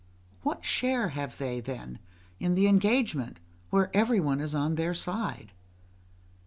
What share have they, then, in the engagement, where every one is on their side?